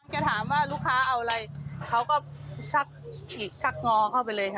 จะถามว่าลูกค้าเอาอะไรเขาก็ชักฉีกชักงอเข้าไปเลยค่ะ